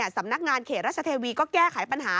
สำนักงานเขตราชเทวีก็แก้ไขปัญหา